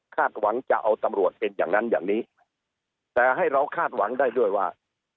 หวังจะเอาตำรวจเป็นอย่างนั้นอย่างนี้แต่ให้เราคาดหวังได้ด้วยว่า